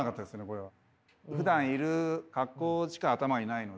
これは。ふだんいる格好しか頭にないので。